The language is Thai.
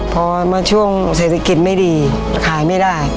พอมาช่วงเศรษฐกิจไม่ดีขายไม่ได้